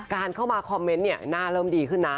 เข้ามาคอมเมนต์เนี่ยหน้าเริ่มดีขึ้นนะ